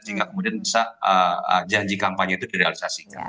sehingga kemudian bisa janji kampanye itu direalisasikan